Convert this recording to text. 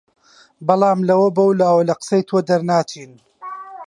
بەڵام لەوە بەولاوە لە قسەی تۆ دەرناچین